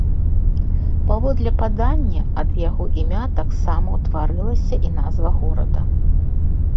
Паводле падання, ад яго імя таксама ўтварылася і назва горада.